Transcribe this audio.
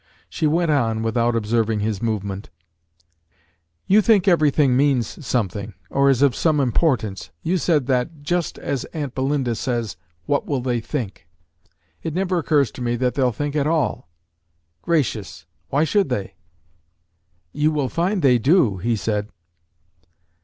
She went on, without observing his movement. "You think every thing means something, or is of some importance. You said that just as aunt Belinda says, 'What will they think?' It never occurs to me that they'll think at all. Gracious! Why should they?" "You will find they do," he said.